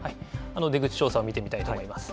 出口調査を見てみたいと思います。